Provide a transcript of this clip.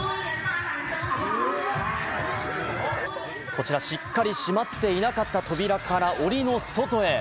こちら、しっかり閉まっていなかった扉から檻の外へ。